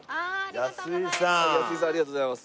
安井さんありがとうございます。